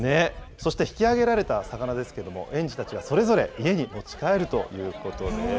そして引き上げられた魚ですけれども、園児たちはそれぞれ家に持ち帰るということです。